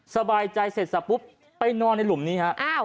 สบายใจเสร็จสับปุ๊บไปนอนในหลุมนี้ฮะ